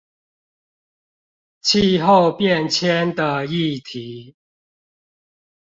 氣候變遷的議題